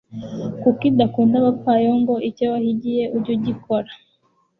kuko idakunda abapfayongo; icyo wahigiye, ujye ugikora